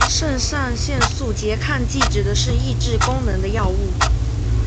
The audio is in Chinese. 肾上腺素拮抗剂指的是抑制功能的药物。